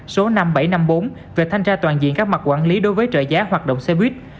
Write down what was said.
số năm nghìn bảy trăm năm mươi bốn về thanh tra toàn diện các mặt quản lý đối với trợ giá hoạt động xe buýt